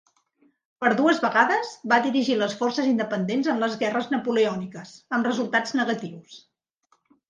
Per dues vegades va dirigir les forces independents en les guerres napoleòniques, amb resultats negatius.